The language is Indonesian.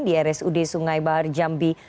di rsud sungai bahar jambi